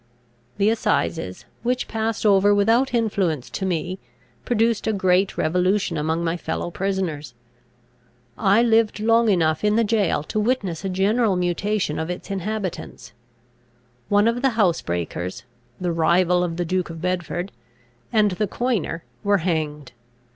The assizes, which passed over without influence to me, produced a great revolution among my fellow prisoners. I lived long enough in the jail to witness a general mutation of its inhabitants. One of the housebreakers (the rival of the Duke of Bedford), and the coiner, were hanged.